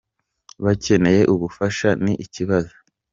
bakeneye ubufasha ni ikibazo.”